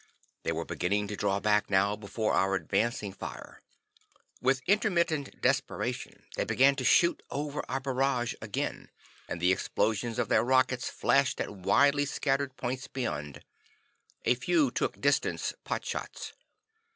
They were beginning to draw back now before our advancing fire. With intermittent desperation, they began to shoot over our barrage again, and the explosions of their rockets flashed at widely scattered points beyond. A few took distance "pot shots."